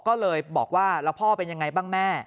ก็เลยบอกว่าแล้วพ่อเป็นยังไงบ้างแม่